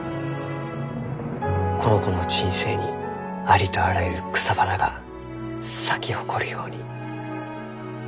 この子の人生にありとあらゆる草花が咲き誇るように。